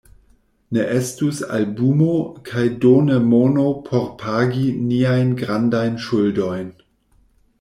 Ne estus albumo kaj do ne mono por pagi niajn grandajn ŝuldojn.